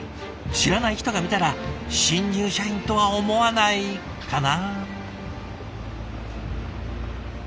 知らない人が見たら新入社員とは思わないかな。